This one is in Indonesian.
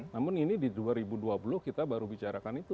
namun ini di dua ribu dua puluh kita baru bicarakan itu